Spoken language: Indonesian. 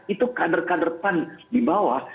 itu kader kader pan di bawah